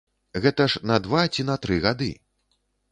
Гэта ж на два ці на тры гады.